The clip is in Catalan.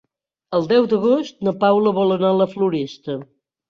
El deu d'agost na Paula vol anar a la Floresta.